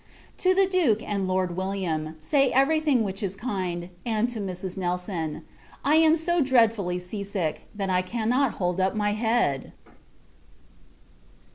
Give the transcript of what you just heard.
To the Duke, and Lord William, say every thing which is kind; and to Mrs. Nelson. I am so dreadfully sea sick, that I cannot hold up my head!